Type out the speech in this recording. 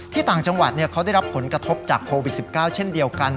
ต่างจังหวัดเขาได้รับผลกระทบจากโควิด๑๙เช่นเดียวกัน